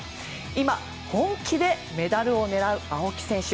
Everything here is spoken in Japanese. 今、本気でメダルを狙う青木選手。